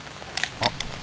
あっ。